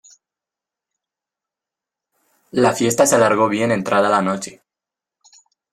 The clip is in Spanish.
La fiesta se alargó bien entrada la noche.